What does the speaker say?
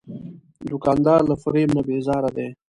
دوکاندار له فریب نه بیزاره دی.